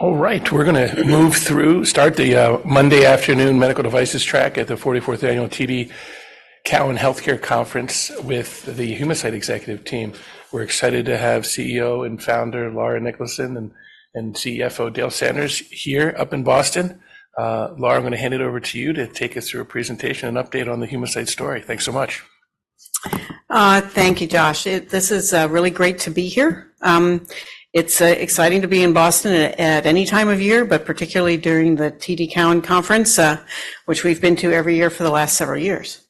All right, we're gonna move through, start the Monday afternoon medical devices track at the 44th Annual TD Cowen Health Care Conference with the Humacyte executive team. We're excited to have CEO and founder, Laura Niklason, and CFO, Dale Sander, here up in Boston. Laura, I'm gonna hand it over to you to take us through a presentation and update on the Humacyte story. Thanks so much. Thank you, Josh. This is really great to be here. It's exciting to be in Boston at any time of year, but particularly during the TD Cowen Conference, which we've been to every year for the last several years.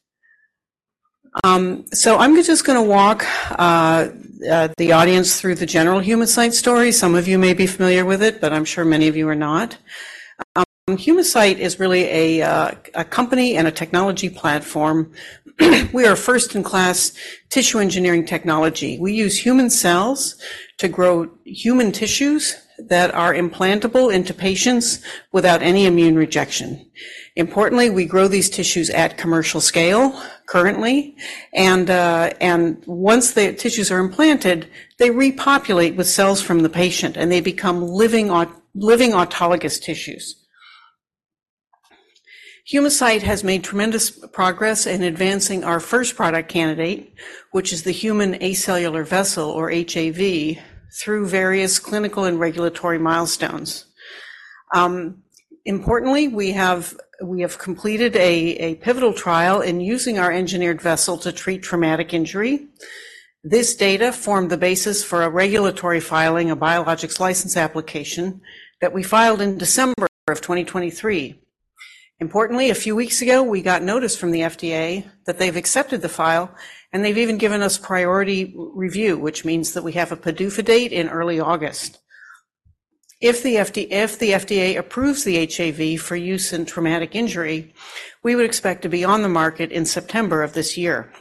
So I'm just gonna walk the audience through the general Humacyte story. Some of you may be familiar with it, but I'm sure many of you are not. Humacyte is really a company and a technology platform. We are a first-in-class tissue engineering technology. We use human cells to grow human tissues that are implantable into patients without any immune rejection. Importantly, we grow these tissues at commercial scale currently, and once the tissues are implanted, they repopulate with cells from the patient, and they become living autologous tissues. Humacyte has made tremendous progress in advancing our first product candidate, which is the Human Acellular Vessel, or HAV, through various clinical and regulatory milestones. Importantly, we have completed a pivotal trial in using our engineered vessel to treat traumatic injury. This data formed the basis for a regulatory filing, a Biologics License Application, that we filed in December of 2023. Importantly, a few weeks ago, we got notice from the FDA that they've accepted the file, and they've even given us priority review, which means that we have a PDUFA date in early August. If the FDA approves the HAV for use in traumatic injury, we would expect to be on the market in September of this year.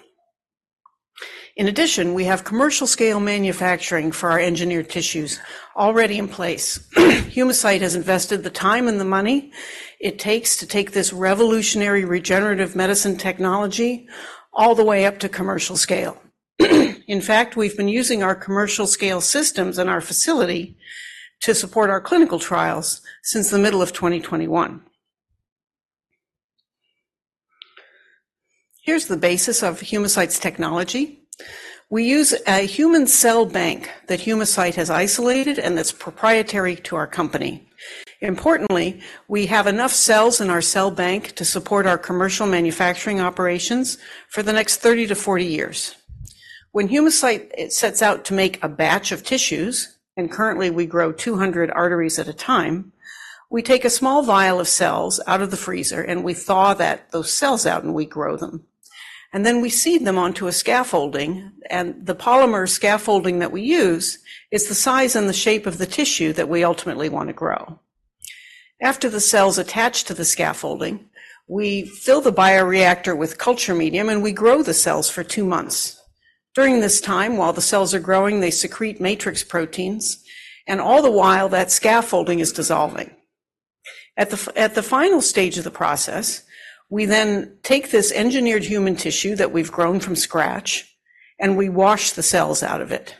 In addition, we have commercial-scale manufacturing for our engineered tissues already in place. Humacyte has invested the time and the money it takes to take this revolutionary regenerative medicine technology all the way up to commercial scale. In fact, we've been using our commercial-scale systems and our facility to support our clinical trials since the middle of 2021. Here's the basis of Humacyte's technology. We use a human cell bank that Humacyte has isolated and that's proprietary to our company. Importantly, we have enough cells in our cell bank to support our commercial manufacturing operations for the next 30-40 years. When Humacyte sets out to make a batch of tissues, and currently, we grow 200 arteries at a time, we take a small vial of cells out of the freezer, and we thaw that, those cells out, and we grow them. And then we seed them onto a scaffolding, and the polymer scaffolding that we use is the size and the shape of the tissue that we ultimately want to grow. After the cells attach to the scaffolding, we fill the bioreactor with culture medium, and we grow the cells for two months. During this time, while the cells are growing, they secrete matrix proteins, and all the while, that scaffolding is dissolving. At the final stage of the process, we then take this engineered human tissue that we've grown from scratch, and we wash the cells out of it.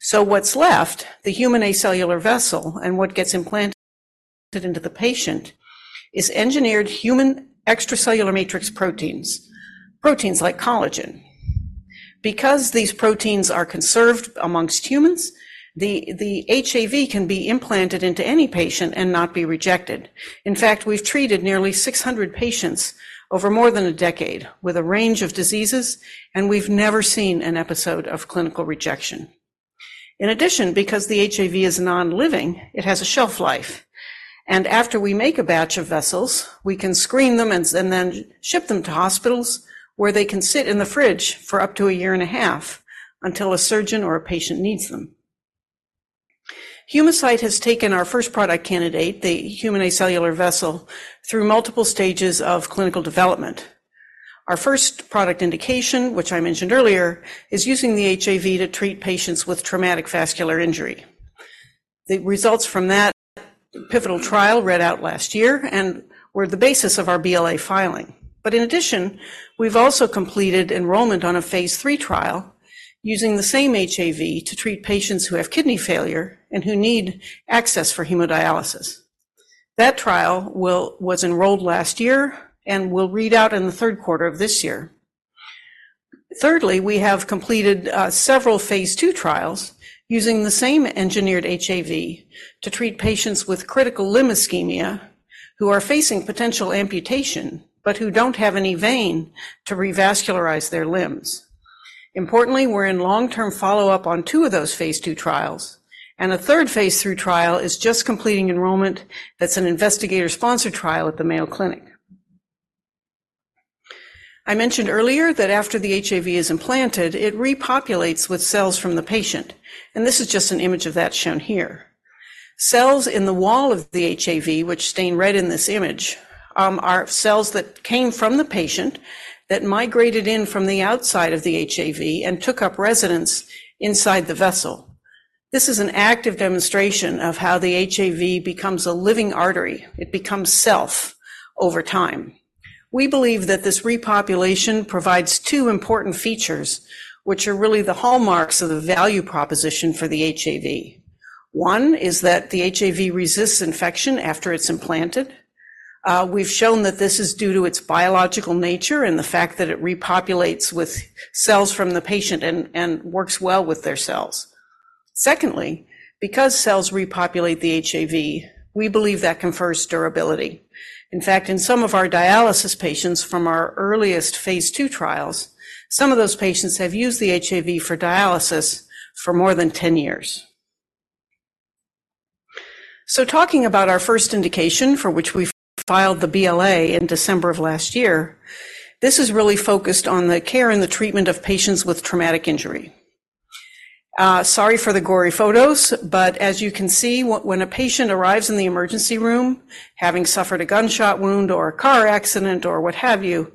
So what's left, the Human Acellular Vessel, and what gets implanted into the patient, is engineered human extracellular matrix proteins, proteins like collagen. Because these proteins are conserved amongst humans, the HAV can be implanted into any patient and not be rejected. In fact, we've treated nearly 600 patients over more than a decade with a range of diseases, and we've never seen an episode of clinical rejection. In addition, because the HAV is non-living, it has a shelf life, and after we make a batch of vessels, we can screen them and then ship them to hospitals, where they can sit in the fridge for up to a year and a half until a surgeon or a patient needs them. Humacyte has taken our first product candidate, the Human Acellular Vessel, through multiple stages of clinical development. Our first product indication, which I mentioned earlier, is using the HAV to treat patients with traumatic vascular injury. The results from that pivotal trial read out last year and were the basis of our BLA filing. But in addition, we've also completed enrollment on a phase III trial using the same HAV to treat patients who have kidney failure and who need access for hemodialysis. That trial was enrolled last year and will read out in the third quarter of this year. Thirdly, we have completed several phase II trials using the same engineered HAV to treat patients with critical limb ischemia who are facing potential amputation, but who don't have any vein to revascularize their limbs. Importantly, we're in long-term follow-up on two of those phase II trials, and a third phase III trial is just completing enrollment. That's an investigator-sponsored trial at the Mayo Clinic. I mentioned earlier that after the HAV is implanted, it repopulates with cells from the patient, and this is just an image of that shown here. Cells in the wall of the HAV, which stain red in this image, are cells that came from the patient that migrated in from the outside of the HAV and took up residence inside the vessel. This is an active demonstration of how the HAV becomes a living artery. It becomes self over time. We believe that this repopulation provides two important features, which are really the hallmarks of the value proposition for the HAV. One is that the HAV resists infection after it's implanted. We've shown that this is due to its biological nature and the fact that it repopulates with cells from the patient and works well with their cells. Secondly, because cells repopulate the HAV, we believe that confers durability. In fact, in some of our dialysis patients from our earliest phase II trials, some of those patients have used the HAV for dialysis for more than 10 years. So talking about our first indication, for which we filed the BLA in December of last year, this is really focused on the care and the treatment of patients with traumatic injury. Sorry for the gory photos, but as you can see, when a patient arrives in the emergency room, having suffered a gunshot wound or a car accident, or what have you,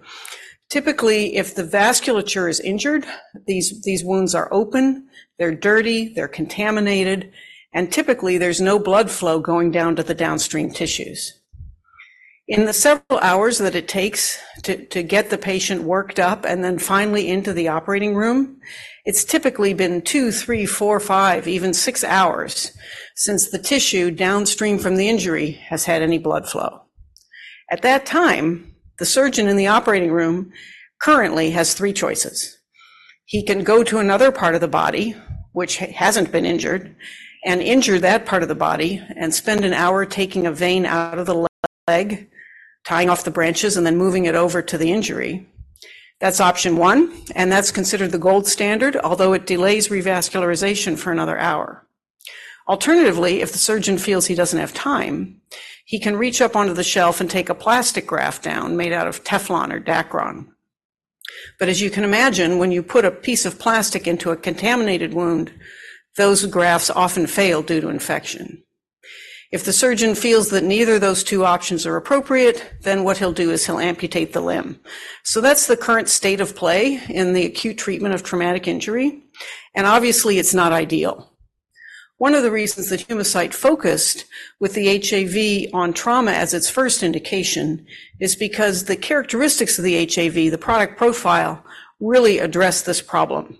typically, if the vasculature is injured, these, these wounds are open, they're dirty, they're contaminated, and typically, there's no blood flow going down to the downstream tissues. In the several hours that it takes to get the patient worked up and then finally into the operating room, it's typically been 2, 3, 4, 5, even 6 hours since the tissue downstream from the injury has had any blood flow. At that time, the surgeon in the operating room currently has 3 choices: He can go to another part of the body, which hasn't been injured, and injure that part of the body and spend an hour taking a vein out of the leg, tying off the branches, and then moving it over to the injury. That's option one, and that's considered the gold standard, although it delays revascularization for another hour. Alternatively, if the surgeon feels he doesn't have time, he can reach up onto the shelf and take a plastic graft down, made out of Teflon or Dacron. But as you can imagine, when you put a piece of plastic into a contaminated wound, those grafts often fail due to infection. If the surgeon feels that neither of those two options are appropriate, then what he'll do is he'll amputate the limb. So that's the current state of play in the acute treatment of traumatic injury, and obviously, it's not ideal. One of the reasons that Humacyte focused with the HAV on trauma as its first indication, is because the characteristics of the HAV, the product profile, really address this problem.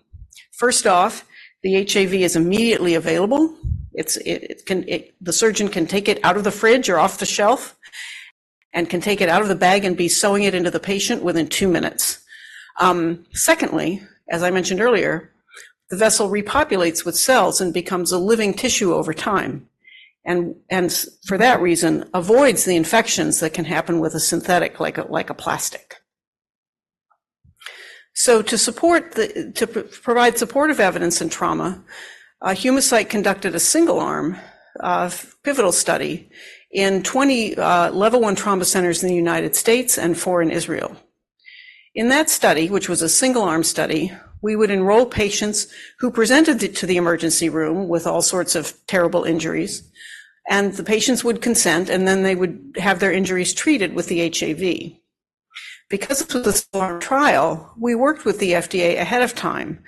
First off, the HAV is immediately available. It can. The surgeon can take it out of the fridge or off the shelf and can take it out of the bag and be sewing it into the patient within two minutes. Secondly, as I mentioned earlier, the vessel repopulates with cells and becomes a living tissue over time, and for that reason, avoids the infections that can happen with a synthetic, like a plastic. So to provide supportive evidence in trauma, Humacyte conducted a single-arm pivotal study in 20 Level 1 trauma centers in the United States and 4 in Israel. In that study, which was a single-arm study, we would enroll patients who presented to the emergency room with all sorts of terrible injuries, and the patients would consent, and then they would have their injuries treated with the HAV. Because it was a single-arm trial, we worked with the FDA ahead of time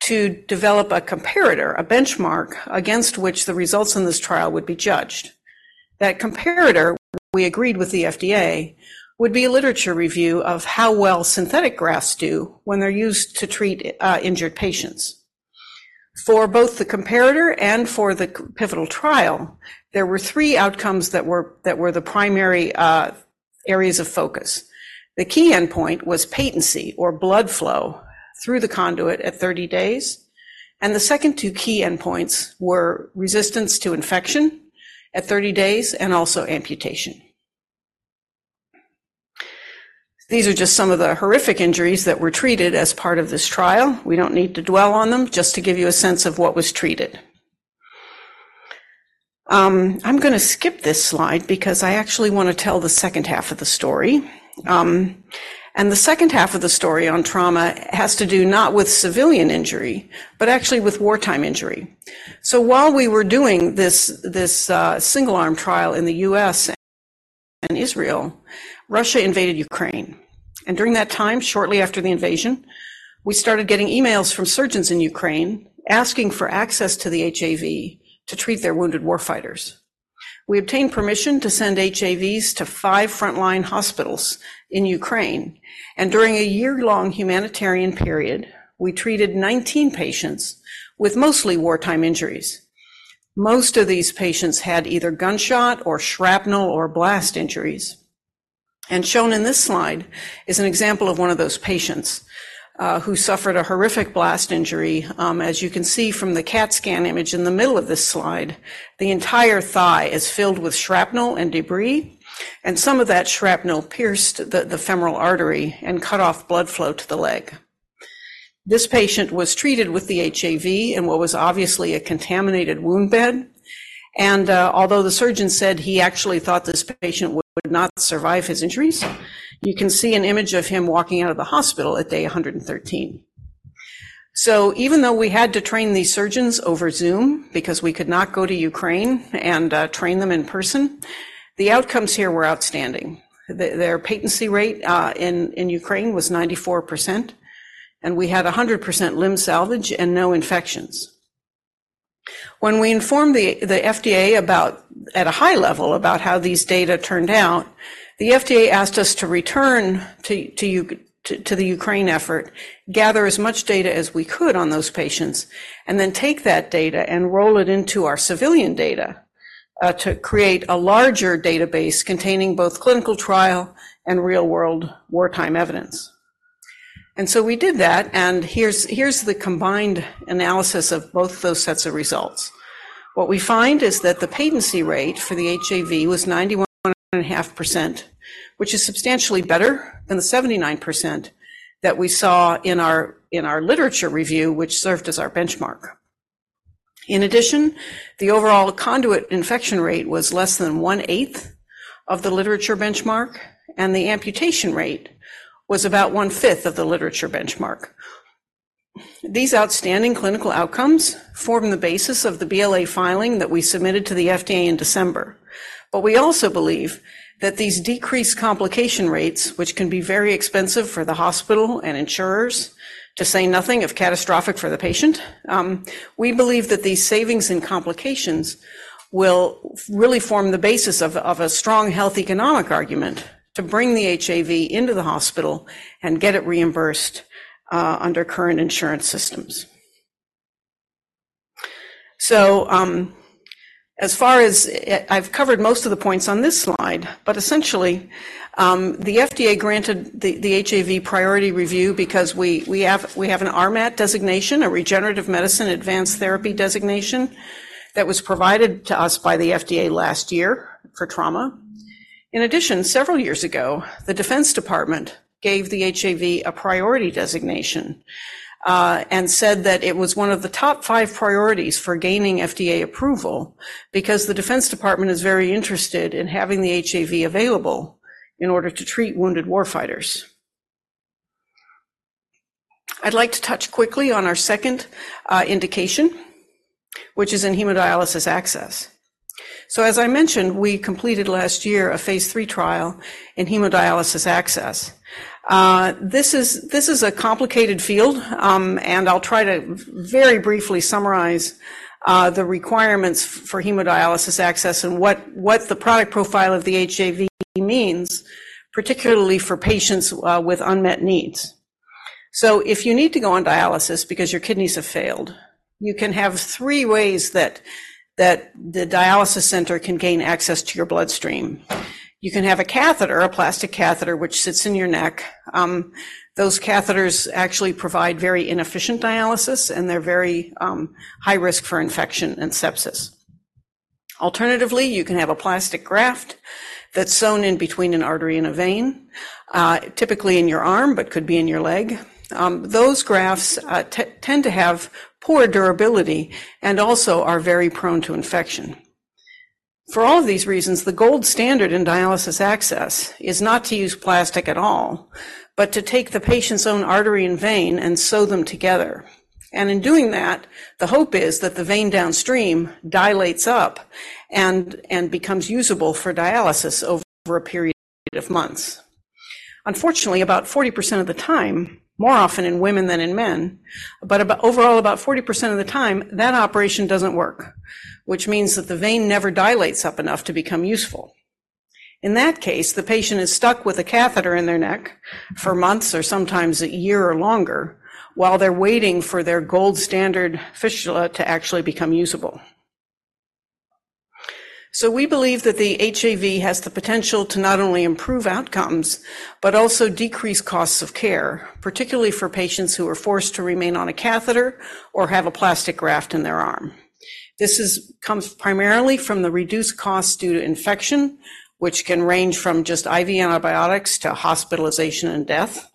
to develop a comparator, a benchmark, against which the results in this trial would be judged. That comparator, we agreed with the FDA, would be a literature review of how well synthetic grafts do when they're used to treat injured patients. For both the comparator and for the pivotal trial, there were three outcomes that were, that were the primary areas of focus. The key endpoint was patency or blood flow through the conduit at 30 days, and the second two key endpoints were resistance to infection at 30 days and also amputation. These are just some of the horrific injuries that were treated as part of this trial. We don't need to dwell on them, just to give you a sense of what was treated. I'm gonna skip this slide because I actually want to tell the second half of the story. And the second half of the story on trauma has to do not with civilian injury, but actually with wartime injury. So while we were doing this single-arm trial in the U.S. and Israel, Russia invaded Ukraine, and during that time, shortly after the invasion, we started getting emails from surgeons in Ukraine asking for access to the HAV to treat their wounded warfighters. We obtained permission to send HAVs to 5 frontline hospitals in Ukraine, and during a year-long humanitarian period, we treated 19 patients with mostly wartime injuries. Most of these patients had either gunshot or shrapnel or blast injuries, and shown in this slide is an example of one of those patients, who suffered a horrific blast injury. As you can see from the CAT scan image in the middle of this slide, the entire thigh is filled with shrapnel and debris, and some of that shrapnel pierced the femoral artery and cut off blood flow to the leg. This patient was treated with the HAV in what was obviously a contaminated wound bed, and although the surgeon said he actually thought this patient would not survive his injuries, you can see an image of him walking out of the hospital at day 113. So even though we had to train these surgeons over Zoom because we could not go to Ukraine and train them in person, the outcomes here were outstanding. Their patency rate in Ukraine was 94%, and we had 100% limb salvage and no infections. When we informed the FDA about, at a high level, about how these data turned out, the FDA asked us to return to the Ukraine effort, gather as much data as we could on those patients, and then take that data and roll it into our civilian data to create a larger database containing both clinical trial and real-world wartime evidence. And so we did that, and here's the combined analysis of both those sets of results. What we find is that the patency rate for the HAV was 91.5%, which is substantially better than the 79% that we saw in our literature review, which served as our benchmark. In addition, the overall conduit infection rate was less than one-eighth of the literature benchmark, and the amputation rate was about one-fifth of the literature benchmark. These outstanding clinical outcomes form the basis of the BLA filing that we submitted to the FDA in December. But we also believe that these decreased complication rates, which can be very expensive for the hospital and insurers, to say nothing if catastrophic for the patient, we believe that these savings and complications will really form the basis of, of a strong health economic argument to bring the HAV into the hospital and get it reimbursed, under current insurance systems. So, as far as, I've covered most of the points on this slide, but essentially, the FDA granted the, the HAV priority review because we, we have, we have an RMAT designation, a Regenerative Medicine Advanced Therapy designation, that was provided to us by the FDA last year for trauma. In addition, several years ago, the Defense Department gave the HAV a priority designation, and said that it was one of the top 5 priorities for gaining FDA approval, because the Defense Department is very interested in having the HAV available in order to treat wounded warfighters. I'd like to touch quickly on our second indication, which is in hemodialysis access. So as I mentioned, we completed last year a phase III trial in hemodialysis access. This is a complicated field, and I'll try to very briefly summarize the requirements for hemodialysis access and what the product profile of the HAV means, particularly for patients with unmet needs. So if you need to go on dialysis because your kidneys have failed, you can have 3 ways that the dialysis center can gain access to your bloodstream. You can have a catheter, a plastic catheter, which sits in your neck. Those catheters actually provide very inefficient dialysis, and they're very high risk for infection and sepsis. Alternatively, you can have a plastic graft that's sewn in between an artery and a vein, typically in your arm, but could be in your leg. Those grafts tend to have poor durability and also are very prone to infection. For all of these reasons, the gold standard in dialysis access is not to use plastic at all, but to take the patient's own artery and vein and sew them together. In doing that, the hope is that the vein downstream dilates up and becomes usable for dialysis over a period of months. Unfortunately, about 40% of the time, more often in women than in men, but about overall, about 40% of the time, that operation doesn't work, which means that the vein never dilates up enough to become useful. In that case, the patient is stuck with a catheter in their neck for months or sometimes a year or longer while they're waiting for their gold standard fistula to actually become usable. So we believe that the HAV has the potential to not only improve outcomes, but also decrease costs of care, particularly for patients who are forced to remain on a catheter or have a plastic graft in their arm. This comes primarily from the reduced cost due to infection, which can range from just IV antibiotics to hospitalization and death,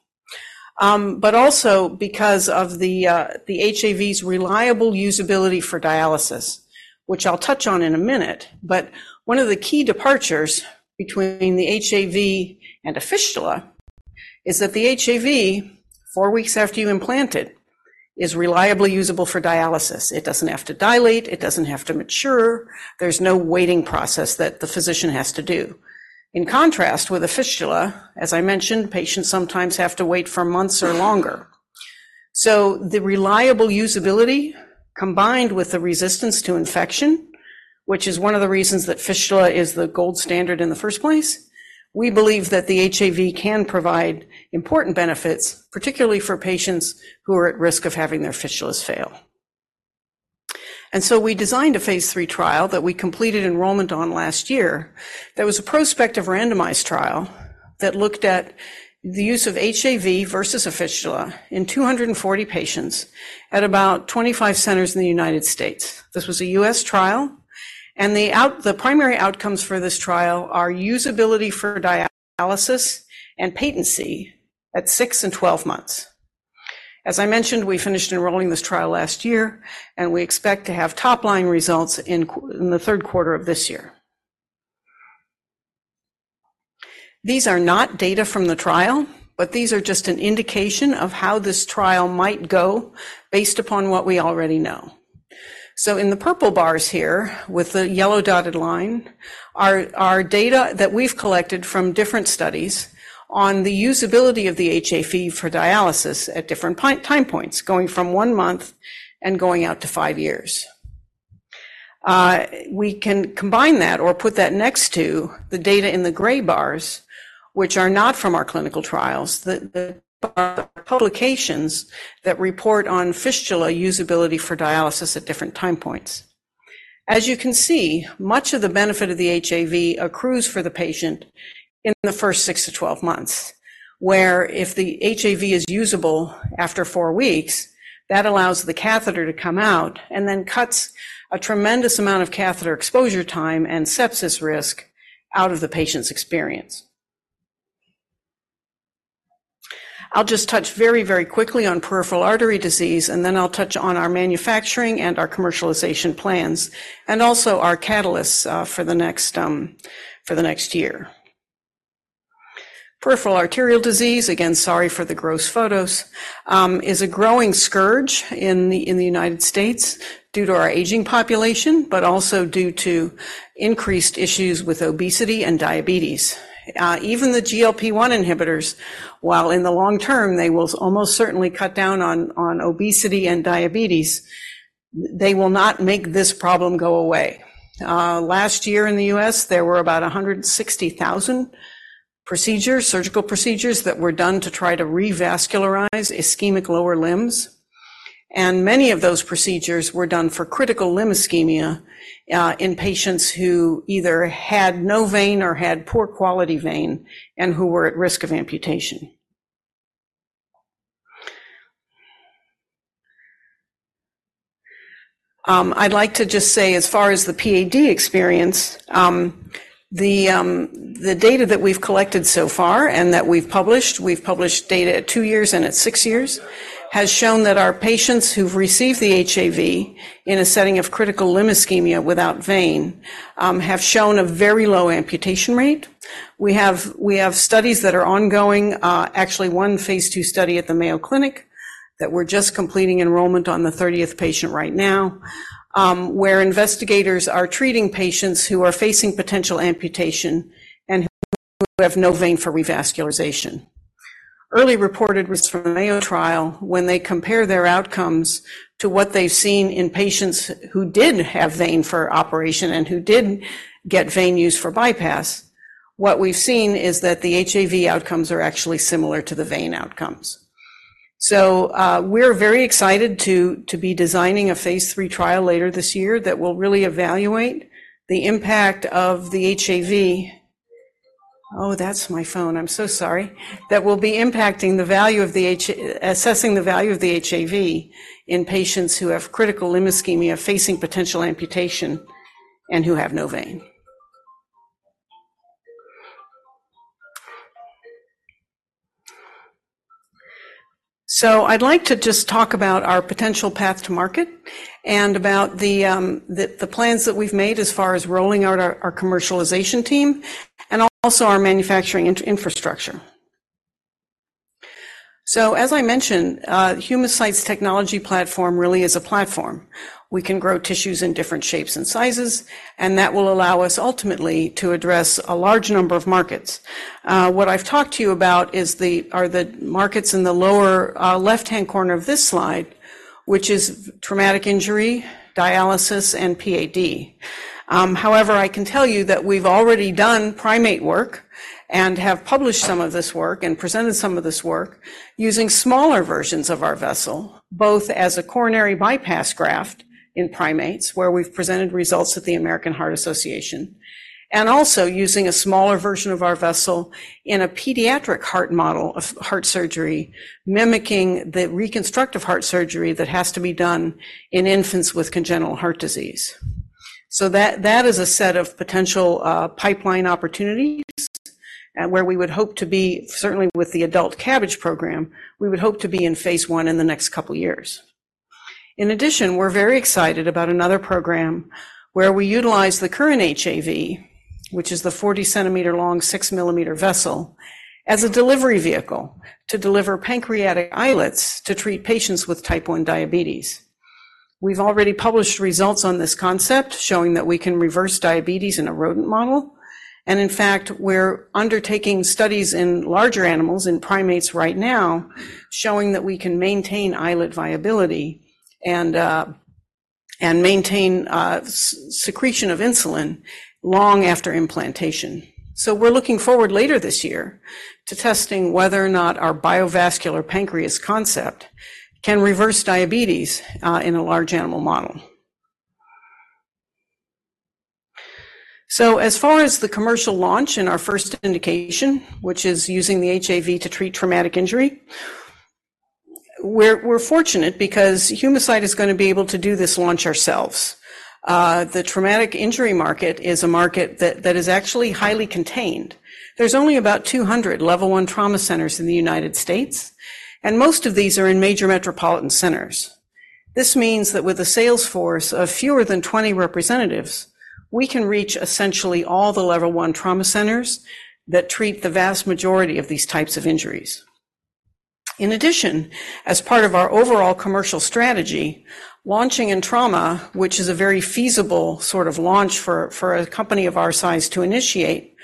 but also because of the HAV's reliable usability for dialysis, which I'll touch on in a minute. But one of the key departures between the HAV and a fistula is that the HAV, four weeks after you implant it, is reliably usable for dialysis. It doesn't have to dilate, it doesn't have to mature. There's no waiting process that the physician has to do. In contrast with a fistula, as I mentioned, patients sometimes have to wait for months or longer. So the reliable usability, combined with the resistance to infection, which is one of the reasons that fistula is the gold standard in the first place, we believe that the HAV can provide important benefits, particularly for patients who are at risk of having their fistulas fail. So we designed a phase III trial that we completed enrollment on last year. That was a prospective randomized trial that looked at the use of HAV versus a fistula in 240 patients at about 25 centers in the United States. This was a U.S. trial, and the primary outcomes for this trial are usability for dialysis and patency at 6 and 12 months. As I mentioned, we finished enrolling this trial last year, and we expect to have top-line results in the third quarter of this year. These are not data from the trial, but these are just an indication of how this trial might go based upon what we already know. So in the purple bars here, with the yellow dotted line, are data that we've collected from different studies on the usability of the HAV for dialysis at different time points, going from one month and going out to five years. We can combine that or put that next to the data in the gray bars, which are not from our clinical trials, the publications that report on fistula usability for dialysis at different time points.... As you can see, much of the benefit of the HAV accrues for the patient in the first 6 to 12 months, where if the HAV is usable after 4 weeks, that allows the catheter to come out and then cuts a tremendous amount of catheter exposure time and sepsis risk out of the patient's experience. I'll just touch very, very quickly on peripheral artery disease, and then I'll touch on our manufacturing and our commercialization plans, and also our catalysts for the next year. Peripheral arterial disease, again, sorry for the gross photos, is a growing scourge in the United States due to our aging population, but also due to increased issues with obesity and diabetes. Even the GLP-1 inhibitors, while in the long term they will almost certainly cut down on obesity and diabetes, they will not make this problem go away. Last year in the U.S., there were about 160,000 procedures, surgical procedures, that were done to try to revascularize ischemic lower limbs, and many of those procedures were done for critical limb ischemia, in patients who either had no vein or had poor quality vein and who were at risk of amputation. I'd like to just say, as far as the PAD experience, the data that we've collected so far and that we've published, we've published data at 2 years and at 6 years, has shown that our patients who've received the HAV in a setting of Critical Limb Ischemia without vein have shown a very low amputation rate. We have studies that are ongoing, actually one Phase 2 study at the Mayo Clinic, that we're just completing enrollment on the 30th patient right now, where investigators are treating patients who are facing potential amputation and who have no vein for revascularization. Early reported results from the Mayo trial, when they compare their outcomes to what they've seen in patients who did have vein for operation and who did get vein use for bypass, what we've seen is that the HAV outcomes are actually similar to the vein outcomes. So, we're very excited to be designing a Phase 3 trial later this year that will really evaluate the impact of the HAV. Oh, that's my phone. I'm so sorry, assessing the value of the HAV in patients who have critical limb ischemia, facing potential amputation and who have no vein. So I'd like to just talk about our potential path to market and about the plans that we've made as far as rolling out our commercialization team and also our manufacturing infrastructure. So as I mentioned, Humacyte's technology platform really is a platform. We can grow tissues in different shapes and sizes, and that will allow us ultimately to address a large number of markets. What I've talked to you about is the markets in the lower left-hand corner of this slide, which is traumatic injury, dialysis, and PAD. However, I can tell you that we've already done primate work and have published some of this work and presented some of this work using smaller versions of our vessel, both as a coronary bypass graft in primates, where we've presented results at the American Heart Association, and also using a smaller version of our vessel in a pediatric heart model of heart surgery, mimicking the reconstructive heart surgery that has to be done in infants with congenital heart disease. That is a set of potential pipeline opportunities, where we would hope to be, certainly with the adult CABG program, we would hope to be in Phase 1 in the next couple of years. In addition, we're very excited about another program where we utilize the current HAV, which is the 40-centimeter long, 6-millimeter vessel, as a delivery vehicle to deliver pancreatic islets to treat patients with Type 1 diabetes. We've already published results on this concept, showing that we can reverse diabetes in a rodent model, and in fact, we're undertaking studies in larger animals, in primates right now, showing that we can maintain islet viability and maintain secretion of insulin long after implantation. So we're looking forward later this year to testing whether or not our biovascular pancreas concept can reverse diabetes in a large animal model. So as far as the commercial launch in our first indication, which is using the HAV to treat traumatic injury, we're fortunate because Humacyte is gonna be able to do this launch ourselves. The traumatic injury market is a market that is actually highly contained. There's only about 200 Level 1 trauma centers in the United States, and most of these are in major metropolitan centers. This means that with a sales force of fewer than 20 representatives, we can reach essentially all the Level 1 trauma centers that treat the vast majority of these types of injuries. In addition, as part of our overall commercial strategy, launching in trauma, which is a very feasible sort of launch for a company of our size to initiate,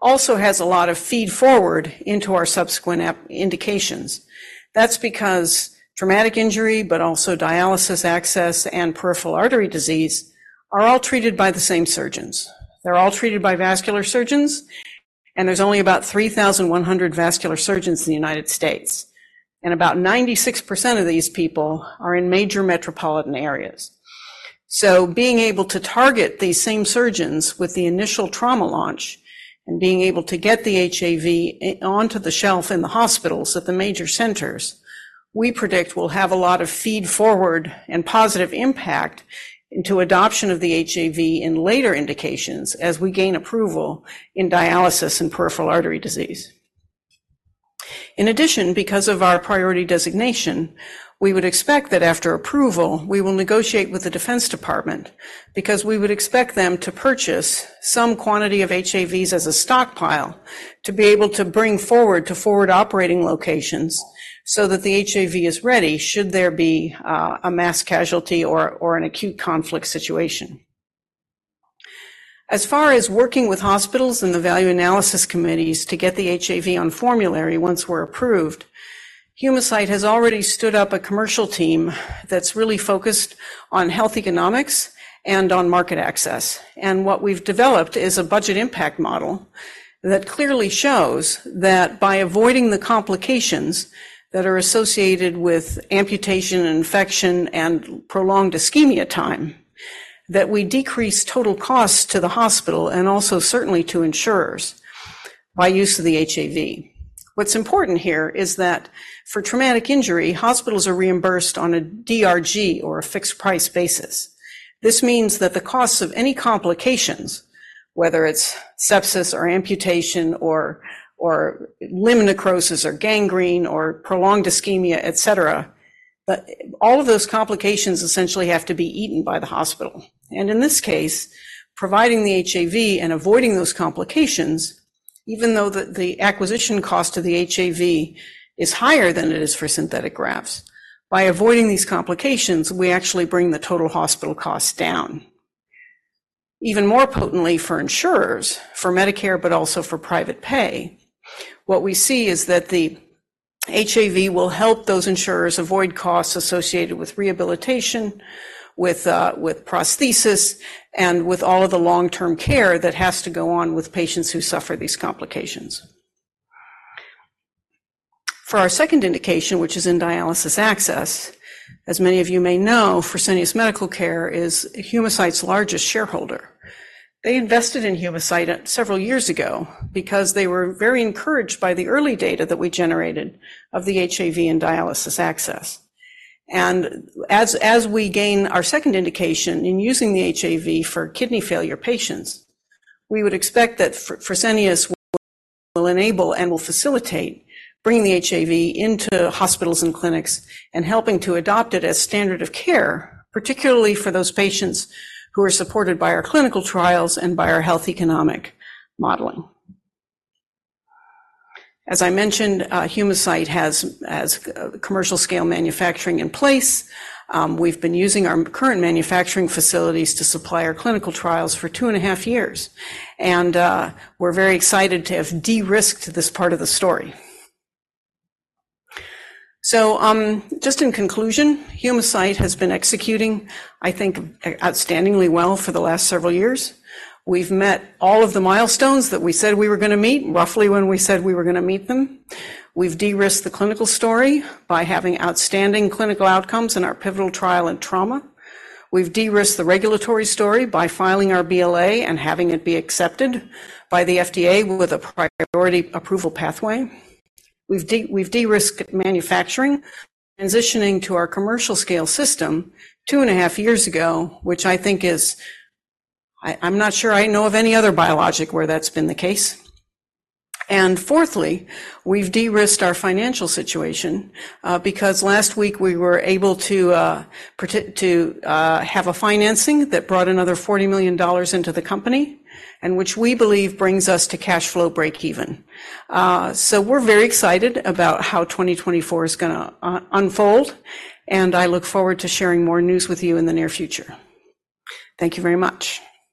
also has a lot of feed forward into our subsequent AV indications. That's because traumatic injury, but also dialysis access and peripheral artery disease, are all treated by the same surgeons. They're all treated by vascular surgeons... and there's only about 3,100 vascular surgeons in the United States, and about 96% of these people are in major metropolitan areas. So being able to target these same surgeons with the initial trauma launch and being able to get the HAV onto the shelf in the hospitals at the major centers, we predict will have a lot of feed-forward and positive impact into adoption of the HAV in later indications as we gain approval in dialysis and peripheral artery disease. In addition, because of our priority designation, we would expect that after approval, we will negotiate with the Defense Department because we would expect them to purchase some quantity of HAVs as a stockpile to be able to bring forward to forward operating locations so that the HAV is ready should there be a mass casualty or an acute conflict situation. As far as working with hospitals and the value analysis committees to get the HAV on formulary once we're approved, Humacyte has already stood up a commercial team that's really focused on health economics and on market access. What we've developed is a budget impact model that clearly shows that by avoiding the complications that are associated with amputation, and infection, and prolonged ischemia time, that we decrease total costs to the hospital and also certainly to insurers by use of the HAV. What's important here is that for traumatic injury, hospitals are reimbursed on a DRG or a fixed-price basis. This means that the costs of any complications, whether it's sepsis, or amputation, or limb necrosis, or gangrene, or prolonged ischemia, et cetera, but all of those complications essentially have to be eaten by the hospital. In this case, providing the HAV and avoiding those complications, even though the acquisition cost of the HAV is higher than it is for synthetic grafts, by avoiding these complications, we actually bring the total hospital costs down. Even more potently for insurers, for Medicare, but also for private pay, what we see is that the HAV will help those insurers avoid costs associated with rehabilitation, with prosthesis, and with all of the long-term care that has to go on with patients who suffer these complications. For our second indication, which is in dialysis access, as many of you may know, Fresenius Medical Care is Humacyte's largest shareholder. They invested in Humacyte several years ago because they were very encouraged by the early data that we generated of the HAV in dialysis access. And as we gain our second indication in using the HAV for kidney failure patients, we would expect that Fresenius will enable and will facilitate bringing the HAV into hospitals and clinics and helping to adopt it as standard of care, particularly for those patients who are supported by our clinical trials and by our health economic modeling. As I mentioned, Humacyte has commercial-scale manufacturing in place. We've been using our current manufacturing facilities to supply our clinical trials for 2.5 years, and we're very excited to have de-risked this part of the story. So, just in conclusion, Humacyte has been executing, I think, outstandingly well for the last several years. We've met all of the milestones that we said we were gonna meet, roughly when we said we were gonna meet them. We've de-risked the clinical story by having outstanding clinical outcomes in our pivotal trial and trauma. We've de-risked the regulatory story by filing our BLA and having it be accepted by the FDA with a priority approval pathway. We've de-risked manufacturing, transitioning to our commercial scale system 2.5 years ago, which I think is... I, I'm not sure I know of any other biologic where that's been the case. Fourthly, we've de-risked our financial situation, because last week we were able to have a financing that brought another $40 million into the company and which we believe brings us to cash flow breakeven. So we're very excited about how 2024 is gonna unfold, and I look forward to sharing more news with you in the near future. Thank you very much.